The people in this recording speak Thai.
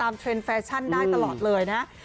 เทรนดแฟชั่นได้ตลอดเลยนะ